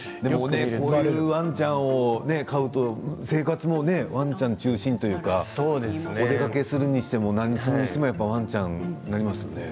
こういうワンちゃんを飼うと生活もワンちゃん中心というかお出かけするにしても何するにもワンちゃんになりますよね。